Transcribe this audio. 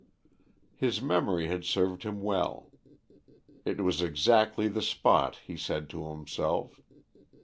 His memory had served him well. It was exactly the spot, he said to himself.